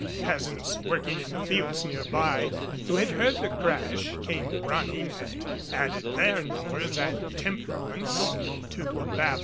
Peasants working in the fields nearby who had heard the crash came running and added their numbers and temperaments to the Babel.